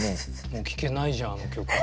もう聴けないじゃんあの曲が。